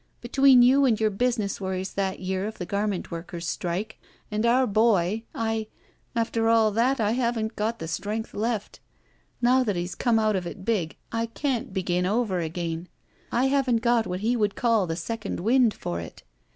Between you and your business worries that year of the garment workers' strike — and our boy — I — after all that I haven't got the strength left. Now that he's come out of it big, I can't b^[in over again. I haven't got what he would call the second wind for it.